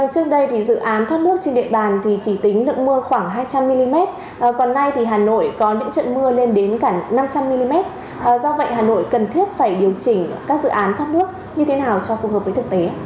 trước đây thì dự án thoát nước trên địa bàn thì chỉ tính lượng mưa khoảng hai trăm linh mm còn nay thì hà nội có những trận mưa lên đến cả năm trăm linh mm do vậy hà nội cần thiết phải điều chỉnh các dự án thoát nước như thế nào cho phù hợp với thực tế